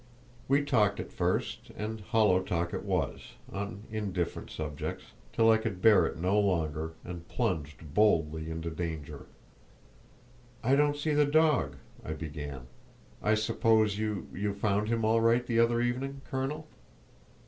We talked at first—and hollow talk it was—on indifferent subjects, till I could bear it no longer, and plunged boldly into danger. "I don't see the dog," I began, "I suppose you—you found him all right the other evening, colonel?"